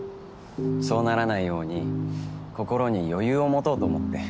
そうならないように心に余裕を持とうと思って。